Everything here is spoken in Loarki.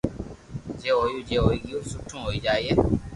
جي ھويو جي ھوئي گيو سٺو ھوئي جائي